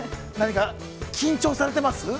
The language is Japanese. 何か緊張されてます？